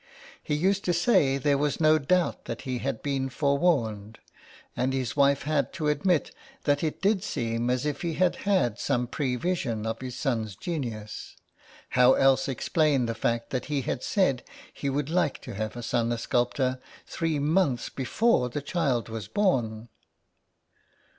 He used to say there was no doubt that he had been forewarned, and his wife had to admit that it did seem as if he had had some pre vision of his son's genius: how else explain the fact that he had said he would like to have a son a sculptor three months before the child was born